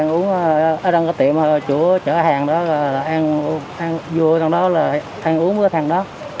anh uống ở trong cái tiệm chủ chở hàng đó anh vua thằng đó là anh uống với thằng đó